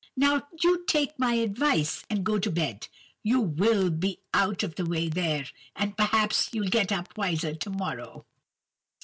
Now, you take my advice, and go to bed. You will be out of the way there, and perhaps you'll get up wiser to morrow.